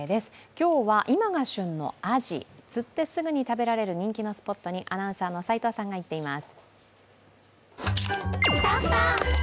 今日は今が旬のアジ釣ってすぐに食べられる人気のスポットにアナウンサーの齋藤さんが行っています。